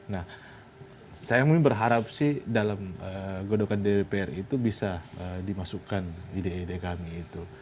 nah saya mungkin berharap sih dalam godokan dpr itu bisa dimasukkan ide ide kami itu